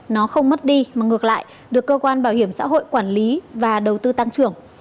nó không mất đi mà ngược lại được cơ quan bảo hiểm xã hội quản lý và đầu tư tăng trưởng